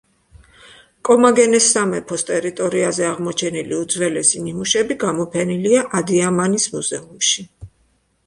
კომაგენეს სამეფოს ტერიტორიაზე აღმოჩენილი უძველესი ნიმუშები გამოფენილია ადიამანის მუზეუმში.